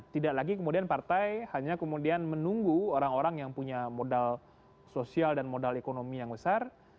tidak lagi kemudian partai hanya kemudian menunggu orang orang yang punya modal sosial dan modal ekonomi yang besar